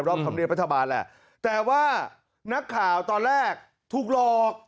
ธรรมเนียบรัฐบาลแหละแต่ว่านักข่าวตอนแรกถูกหลอก